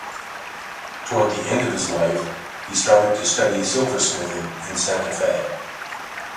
Toward the end of his life he started to study silversmithing in Santa Fe.